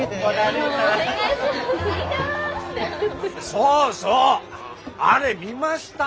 そうそうあれ見ました？